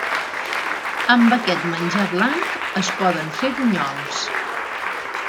Amb aquest menjar blanc es poden fer bunyols.